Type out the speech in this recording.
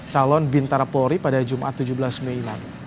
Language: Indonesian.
calon bintara polri pada jumat tujuh belas mei lalu